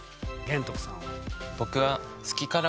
玄徳さんは？